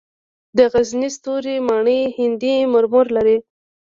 د غزني ستوري ماڼۍ هندي مرمر لري